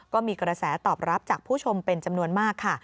ก็มีกระแสตอบรับจากผู้ชมเป็นจำนวนมากค่ะ